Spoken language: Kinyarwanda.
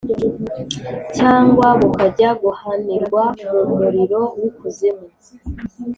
cyangwa bukajya guhanirwa mu muriro w’ikuzimu.